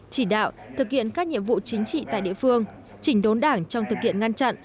chỉ đạo thực hiện các nhiệm vụ chính trị tại địa phương chỉnh đốn đảng trong thực hiện ngăn chặn